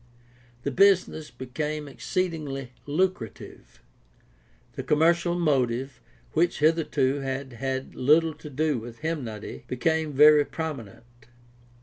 The business became exceedingly lucrative. The commercial motive, which hitherto had had little to do with hymnody, became very prominent.